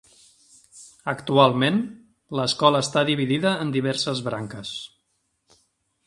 Actualment, l'escola està dividida en diverses branques.